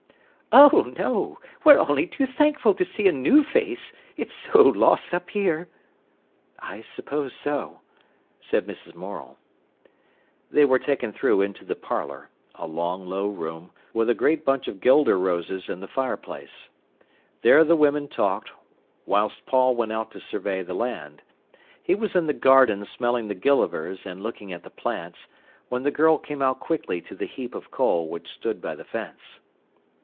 "Oh no! We're only too thankful to see a new face, it's so lost up here." "I suppose so," said Mrs. Morel. They were taken through into the parlour—a long, low room, with a great bunch of guelder roses in the fireplace. There the women talked, whilst Paul went out to survey the land. He was in the garden smelling the gillivers and looking at the plants, when the girl came out quickly to the heap of coal which stood by the fence.